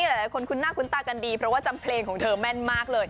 หลายคนคุ้นหน้าคุ้นตากันดีเพราะว่าจำเพลงของเธอแม่นมากเลย